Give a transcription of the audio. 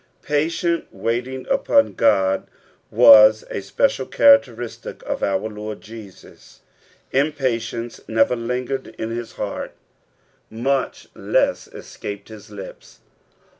Patient waiting upon God was a spe ida] cbantctamtic of our Lord Jesus. Impatience never lingered in bis hiatrt, mncb less escaped his lips.